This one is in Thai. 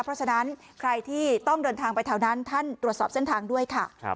เพราะฉะนั้นใครที่ต้องเดินทางไปแถวนั้นท่านตรวจสอบเส้นทางด้วยค่ะ